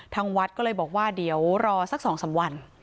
ทางวัดก็เลยบอกว่าเดี๋ยวรอสัก๒๓วัน